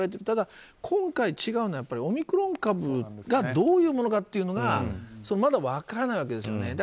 ただ今回、違うのはオミクロン株がどういうものかというのがまだ分からないわけですよね。